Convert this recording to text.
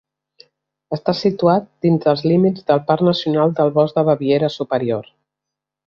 Està situat dins dels límits del "Parc Nacional del Bosc de Baviera Superior".